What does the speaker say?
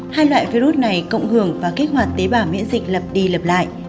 hai loại virus này cộng hưởng và kết hoạt tế bảo miễn dịch lập đi lập lại